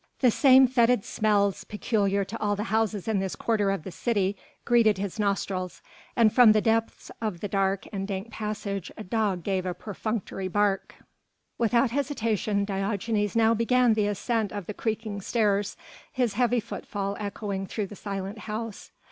The same fetid smells, peculiar to all the houses in this quarter of the city, greeted his nostrils, and from the depths of the dark and dank passage a dog gave a perfunctory bark. Without hesitation Diogenes now began the ascent of the creaking stairs, his heavy footfall echoing through the silent house.